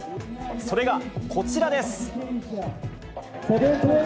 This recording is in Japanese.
それがこちらです。